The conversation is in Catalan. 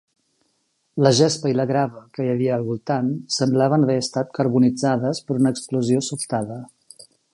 La gespa i la grava que hi havia al voltant semblaven haver estat carbonitzades per una explosió sobtada.